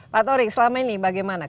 pak torik selama ini bagaimana